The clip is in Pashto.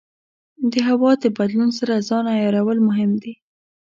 د هوا د بدلون سره ځان عیارول مهم دي.